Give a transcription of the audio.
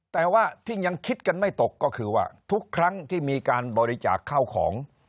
แต่ว่าที่ยังคิดกันไม่ตกก็คือว่าทุกครั้งที่มีการบริจาคเข้าของ